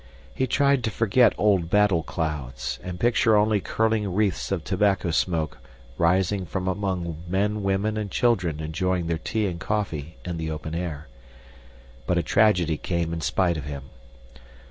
He tried to forget old battle clouds, and picture only curling wreaths of tobacco smoke rising from among men, women, and children enjoying their tea and coffee in the open air. But a tragedy came in spite of him.